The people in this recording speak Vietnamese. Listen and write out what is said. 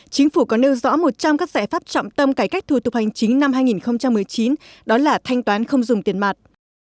chính phủ có nêu rõ một trong các giải pháp trọng tâm cải cách thủ tục hành chính năm hai nghìn một mươi chín đó là thanh toán không dùng tiền mặt